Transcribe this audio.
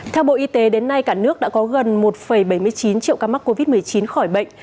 theo bộ y tế đến nay cả nước đã có gần một bảy mươi chín triệu ca mắc covid một mươi chín khỏi bệnh